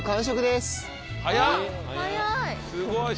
すごいわ。